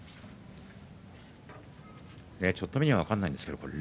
ちょっと見には分からないですけどね